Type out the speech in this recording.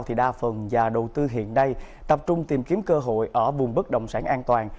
thì đa phần và đầu tư hiện đây tập trung tìm kiếm cơ hội ở vùng bất đồng sản an toàn